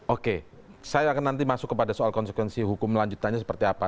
oke saya akan nanti masuk kepada soal konsekuensi hukum lanjutannya seperti apa